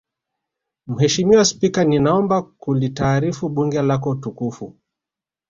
Mheshimiwa Spika ninaomba kulitaarifu Bunge lako tukufu